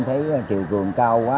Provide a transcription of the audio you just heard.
thấy triều cường cao quá